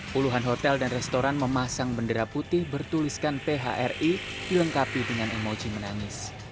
puluhan hotel dan restoran memasang bendera putih bertuliskan phri dilengkapi dengan emosi menangis